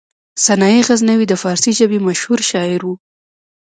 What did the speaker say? سنايي غزنوي د فارسي ژبې مشهور شاعر و.